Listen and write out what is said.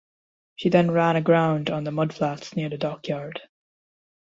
She then ran aground on the mudflats near the dockyard.